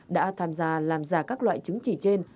đã tham gia làm giả các loại chứng chỉ trên